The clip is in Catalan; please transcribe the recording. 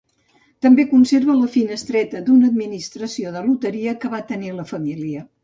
També conserva la finestreta d'una administració de loteria que va tenir la família.